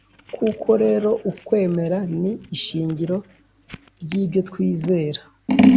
koko rero ukwemera ni ishingiro ry’ibyotwizera